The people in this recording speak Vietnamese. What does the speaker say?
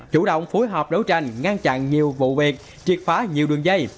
chủ động phối hợp đấu tranh ngăn chặn nhiều vụ việc triệt phá nhiều đường dây